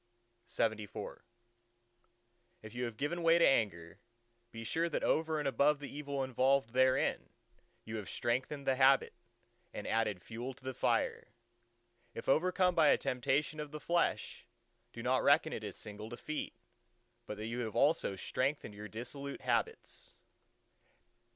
_" LXXV If you have given way to anger, be sure that over and above the evil involved therein, you have strengthened the habit, and added fuel to the fire. If overcome by a temptation of the flesh, do not reckon it a single defeat, but that you have also strengthened your dissolute habits.